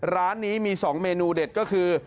ร้านนี้มี๒เมนูเด็ดก็คือ